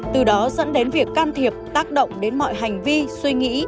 từ đó dẫn đến việc can thiệp tác động đến mọi hành vi suy nghĩ